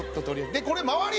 これ周り